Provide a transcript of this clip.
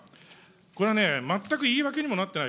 これはね、全く言い訳にもなってない。